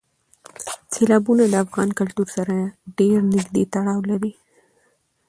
سیلابونه د افغان کلتور سره ډېر نږدې تړاو لري.